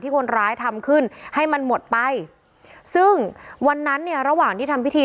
คนร้ายทำขึ้นให้มันหมดไปซึ่งวันนั้นเนี่ยระหว่างที่ทำพิธี